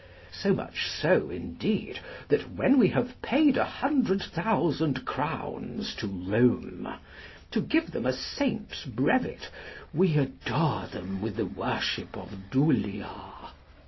So much so, indeed, that when we have paid a hundred thousand crowns to Rome, to give them a saint's brevet, we adore them with the worship of "dulia."